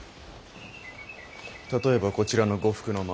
例えばこちらの呉服の間。